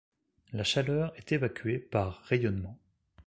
La chaleur est évacuée par rayonnement.